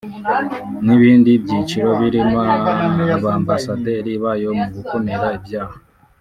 n’ibindi byiciro birimo Abambasaderi bayo mu gukumira ibyaha